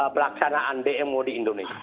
pelaksanaan dmo di indonesia